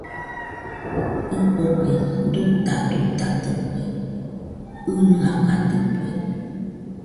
ɨfogɨ dutadutadɨkue, ɨnɨakadɨkue